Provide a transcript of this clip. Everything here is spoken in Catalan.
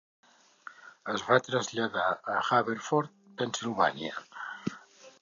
Es va traslladar a Haverford, Pennsilvània.